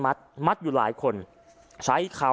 พระเจ้าอาวาสกันหน่อยนะครับ